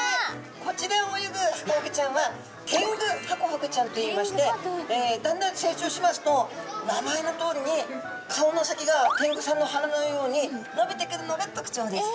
こちらを泳ぐハコフグちゃんはテングハコフグちゃんといいましてだんだん成長しますと名前のとおりに顔の先がテングさんの鼻のようにのびてくるのが特徴です。